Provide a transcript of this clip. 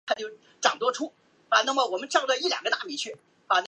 其国土北端只有在维多利亚瀑布附近与赞比亚接触。